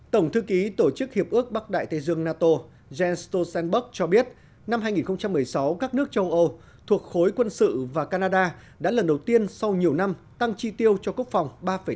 tổng thư ký tổ chức hiệp ước bắc đại tây dương nato jens stoltenberg cho biết năm hai nghìn một mươi sáu các nước châu âu thuộc khối quân sự và canada đã lần đầu tiên sau nhiều năm tăng chi tiêu cho quốc phòng ba tám